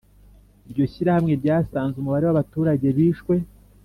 iryo shyirahamwe ryasanze umubare w'abaturage bishwe